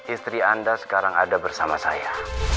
istri anda sekarang ada bersama saya